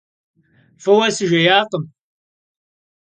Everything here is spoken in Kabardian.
F'ıue sıjjêyakhım.